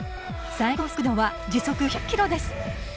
最高速度は時速５００キロです。